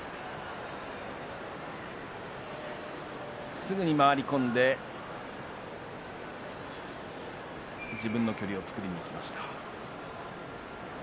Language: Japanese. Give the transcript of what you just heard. すぐに回り込んで自分の距離を作りにいきました。